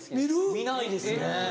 見ないですね。